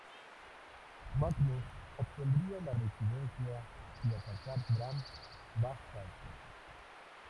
Magnus obtendría la redención y atacar Bram backstage.